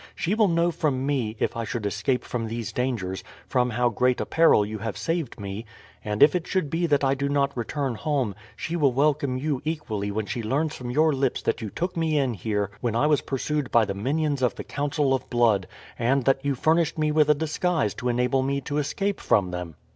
She will know from me, if I should escape from these dangers, from how great a peril you have saved me, and if it should be that I do not return home, she will welcome you equally when she learns from your lips that you took me in here when I was pursued by the minions of the Council of Blood, and that you furnished me with a disguise to enable me to escape from them."